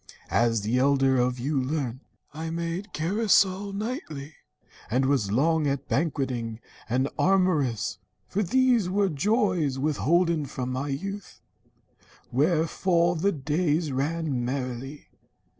As the elder of you learnt, I made carousal nightly, and was long At banqueting, and amorous, for these 3 2 THE FOREST MOTHER Were joys withholden from my youth. Wherefore The days ran merrily.